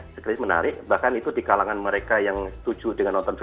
sekreasi menarik bahkan itu di kalangan mereka yang setuju dengan nonton film